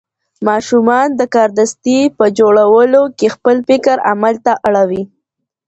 ماشومان د کاردستي په جوړولو کې خپل فکر عمل ته اړوي.